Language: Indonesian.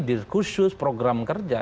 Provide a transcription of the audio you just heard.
belum lagi di kursus program kerja